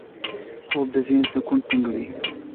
خوب د ذهن سکون ټینګوي